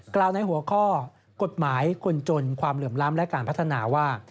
กล่าวในหัวข้อกฎหมายคนจนความเหลื่อมล้ำและการพัฒนาว่า